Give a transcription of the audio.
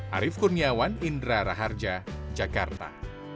arief kurniawan indra raharja jakarta